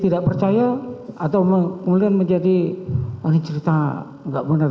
tidak percaya atau mulia menjadi cerita gak benar